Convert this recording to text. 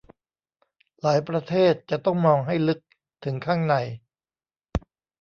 หลายประเทศ จะต้องมองให้ลึกถึงข้างใน